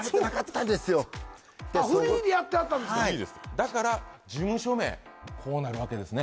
フリーでやってはったんですかだから事務所名こうなるわけですね